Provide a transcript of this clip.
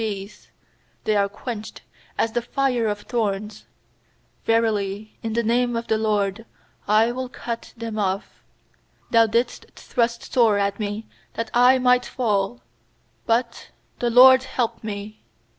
12They compass me about like bees; , They are quenched as the fire of thorns; Verily, in the name of the LORD I will cut them off. 13Thou didst thrust sore at me that I might fall; But the LORD helped me.